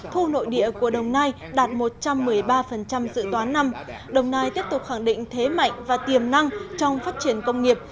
thu nội địa của đồng nai đạt một trăm một mươi ba dự toán năm đồng nai tiếp tục khẳng định thế mạnh và tiềm năng trong phát triển công nghiệp